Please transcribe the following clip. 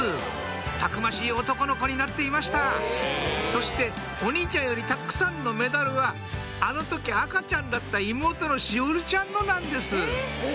たくましい男の子になっていましたそしてお兄ちゃんよりたっくさんのメダルはあの時赤ちゃんだった妹の栞ちゃんのなんです